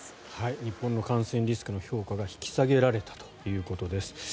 日本の感染リスクの評価が引き下げられたということです。